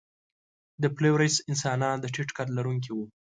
د فلورېس انسانان د ټیټ قد لرونکي وو.